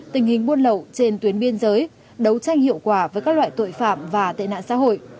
tình hình buôn lậu trên tuyến biên giới đấu tranh hiệu quả với các loại tội phạm và tệ nạn xã hội